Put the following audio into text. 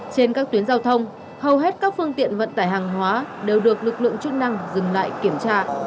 trên các tuyến giao thông hầu hết các phương tiện vận tải hàng hóa đều được lực lượng chức năng dừng lại kiểm tra